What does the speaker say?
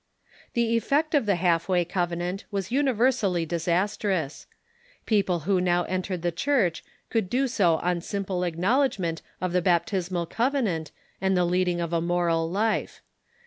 The effect of the Half way Covenant was universally dis astrous. Persons who now entered the Church could do so on simple acknowledgment of the baptismal covenant and the leading of a moral life.